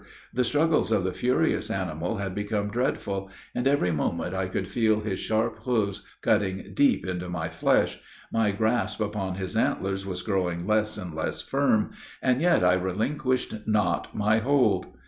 The struggles of the furious animal had become dreadful, and every moment I could feel his sharp hoofs cutting deep into my flesh; my grasp upon his antlers was growing less and less firm, and yet I relinquished not my hold.